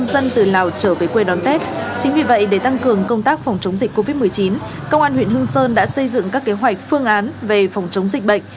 để đảm bảo an ninh trật tự làm tốt công tác phòng chống dịch covid một mươi chín công an huyện hưng sơn đã xây dựng các kế hoạch phương án về phòng chống dịch bệnh